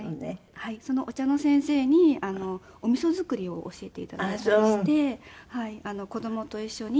そのお茶の先生におみそ作りを教えて頂いたりして子供と一緒に。